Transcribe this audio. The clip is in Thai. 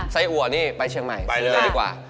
ไส้อัวนี่ไปเชียงใหม่ไปเลยดีกว่า